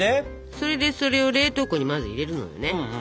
それでそれを冷凍庫にまず入れるのよね。